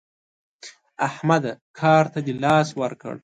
احمده کار ته دې لاس ورکړ؟